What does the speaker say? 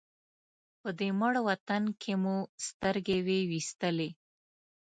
په دې مړ وطن کې مو سترګې وې وېستلې.